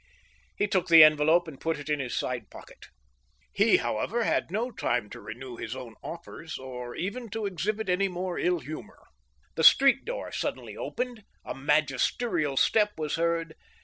He took the envelope and put it in his side pocket. He, however, had no time to renew his own offers, or even to exhibit any more ill humor. THE WILL OPENED. 1 5 The street door suddenly opened, a magisterial step was heard.